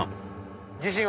自信は？